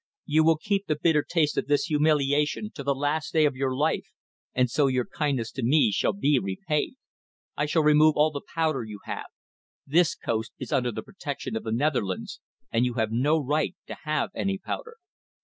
You will keep the bitter taste of this humiliation to the last day of your life, and so your kindness to me shall be repaid. I shall remove all the powder you have. This coast is under the protection of the Netherlands, and you have no right to have any powder.